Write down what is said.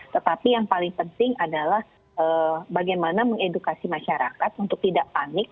tetapi yang paling penting adalah bagaimana mengedukasi masyarakat untuk tidak panik